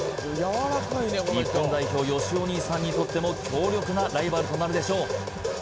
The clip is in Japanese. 日本代表よしお兄さんにとっても強力なライバルとなるでしょう